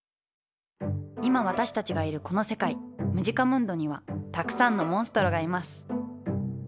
今私たちがいるこの世界ムジカムンドにはたくさんのモンストロがいます。